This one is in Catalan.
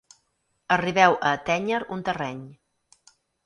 Arribeu a atènyer un terreny.